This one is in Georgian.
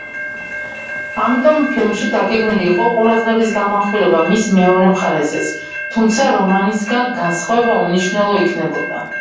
ამიტომ ფილმში დაგეგმილი იყო ყურადღების გამახვილება მის მეორე მხარეზეც, თუმცა რომანისგან განსხვავება უმნიშვნელო იქნებოდა.